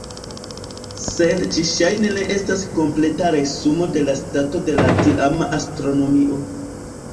Sed ĝi ŝajne ne estas kompleta resumo de la stato de la tiama astronomio.